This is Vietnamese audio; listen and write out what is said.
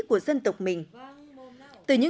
của dân tộc mình